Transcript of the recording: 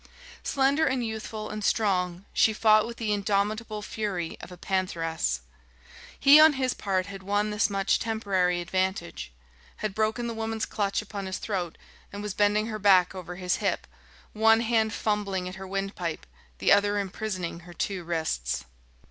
Slender and youthful and strong, she fought with the indomitable fury of a pantheress. He on his part had won this much temporary advantage had broken the woman's clutch upon his throat and was bending her back over his hip, one hand fumbling at her windpipe, the other imprisoning her two wrists.